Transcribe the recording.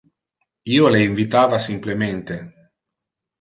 Io le invitava simplemente.